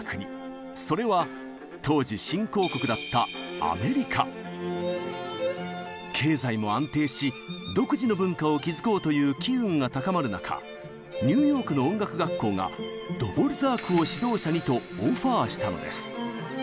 それは当時経済も安定し独自の文化を築こうという機運が高まる中ニューヨークの音楽学校がとオファーしたのです。